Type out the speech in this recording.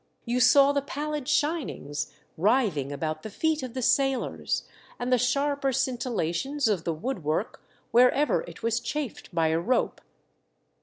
You saw the pallid shinings writhing about the feet of the sailors, and the sharper scintillations of the wood work wherever it was chafed by a rope.